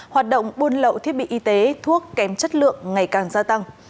hoạt động buôn lậu thiết bị y tế thuốc kém chất lượng ngày càng gia tăng